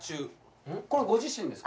これご自身ですか？